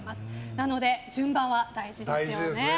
なので、順番は大事ですね。